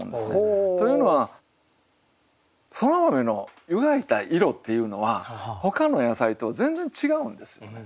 というのはそら豆の湯がいた色っていうのはほかの野菜と全然違うんですよね。